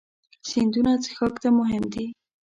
سیندونه څښاک ته مهم دي.